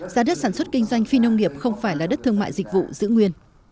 giá đất sản xuất kinh doanh phi nông nghiệp không phải là đất thương mại dịch vụ giữ nguyên